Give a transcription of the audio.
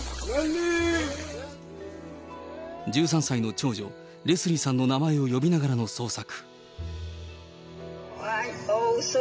１３歳の長女、レスリーさんの名前を呼びながらの捜索。